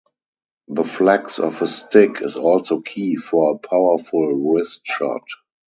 The flex of a stick is also key for a powerful wrist shot.